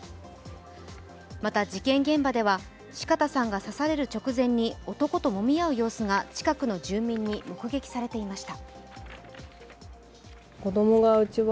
また、事件現場では四方さんが刺される直前に男ともみ合う様子が近くの住民に目撃されていました。